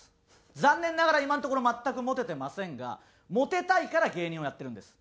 残念ながら今のところ全くモテてませんがモテたいから芸人をやってるんです。